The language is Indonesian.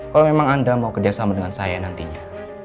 kalau memang anda mau kerjasama dengan saya nantinya